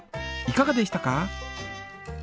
いかがでしたか？